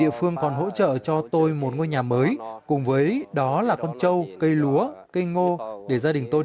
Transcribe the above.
địa phương còn hỗ trợ cho tôi một ngôi nhà mới cùng với đó là con trâu cây lúa cây ngô để gia đình tôn